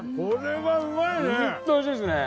ホントおいしいですね。